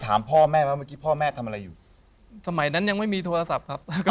ติดต่อไม่ได้ครับ